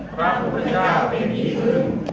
พระพุทธเจ้าเป็นที่พึ่ง